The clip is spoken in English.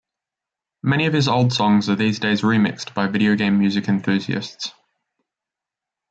Many of his old songs are these days remixed by video game music enthusiasts.